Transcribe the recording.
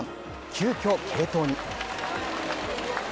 急きょ継投に。